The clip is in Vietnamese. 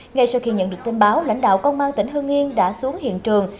ngay sau khi nhận được tin báo lãnh đạo công an tỉnh hương yên đã xuống hiện trường